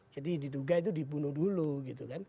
jadi ditugai itu dibunuh dulu gitu kan